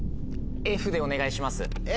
Ｆでお願いします。